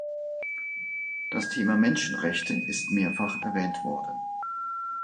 Das Thema Menschenrechte ist mehrfach erwähnt worden.